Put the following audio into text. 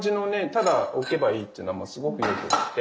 ただ置けばいいっていうのはもうすごくよくて。